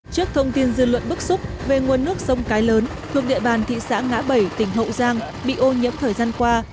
trước thông tin dư luận bức xúc về nguồn nước sông cái lớn thuộc địa bàn thị xã ngã bảy tỉnh hậu giang bị ô nhiễm thời gian qua